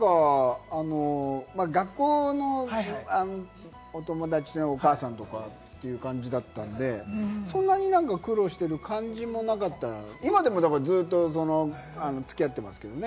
学校のお友達のお母さんとかという感じだったので、そんなに苦労してる感じもなかった、今でも、だからずっと付き合ってますけどね。